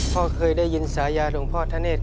พ่อเคยได้ยินสายาของพ่อทะเนศ